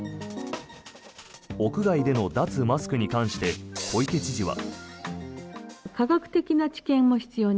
屋外での脱マスクに関して小池知事は。